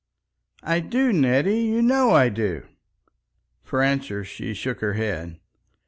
"I do. Nettie! You know I do." For answer she shook her head.